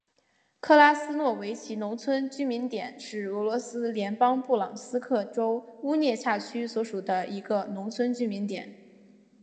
克拉斯诺维奇农村居民点是俄罗斯联邦布良斯克州乌涅恰区所属的一个农村居民点。